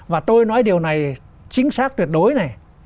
và tôi nói điều này chính xác tuyệt đối này